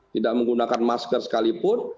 tidak menggunakan masker sekalipun